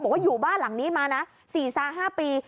บอกว่าอยู่บ้านหลังนี้มานะ๔๕ปี